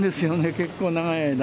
結構、長い間。